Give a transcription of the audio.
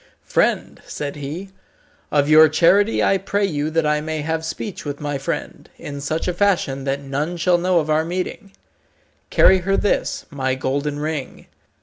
"Friend," said he, "of your charity I pray you that I may have speech with my friend, in such a fashion that none shall know of our meeting. Carry her this, my golden ring.